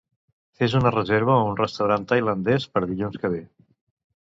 Fes una reserva a un restaurant tailandès per dilluns que ve.